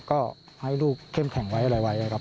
ก็ให้ลูกเข้มแข็งไว้อะไรไว้นะครับ